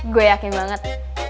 gue yakin banget